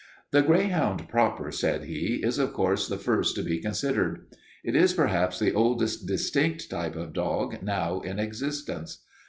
"The greyhound proper," said he, "is of course the first to be considered. It is perhaps the oldest distinct type of dog now in existence.